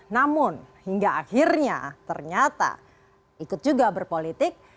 namun hingga akhirnya ternyata ikut juga berpolitik